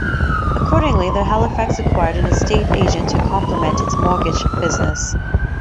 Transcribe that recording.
Accordingly, the Halifax acquired an estate agent to complement its mortgage business.